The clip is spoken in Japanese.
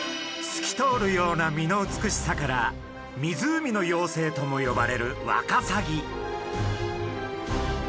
すき通るような身の美しさから「湖の妖精」とも呼ばれるワカサギ。